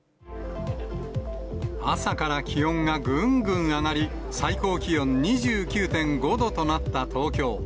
朝から気温がぐんぐん上がり、最高気温２９．５度となった東京。